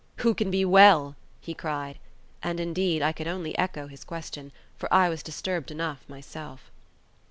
"Who can be well?" he cried; and, indeed, I could only echo his question, for I was disturbed enough myself.